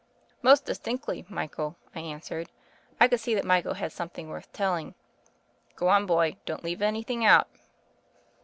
"Most distinctly, Michael," I answered. I could see that Michael had something worth telling. "Go on, my boy; don't leave anything out."